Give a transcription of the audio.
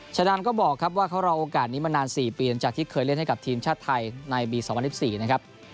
ชาดามก็บอกครับว่าเขารอโอกาสนี้มานาน๔ปีหลังจากที่เคยเล่นให้กับทีมชาติไทยในปี๒๐๑๔นะครับ